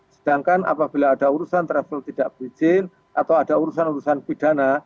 sedangkan apabila ada urusan travel tidak berizin atau ada urusan urusan pidana